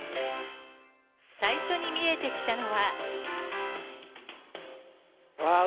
最初に見えてきたのは。